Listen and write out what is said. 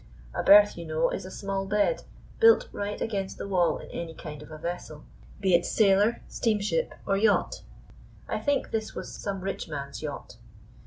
A berth, you know, is a small bed built right against the wall in any kind of a vessel, be it sailer, steamship, or yacht. I think this was some rich man's yacht.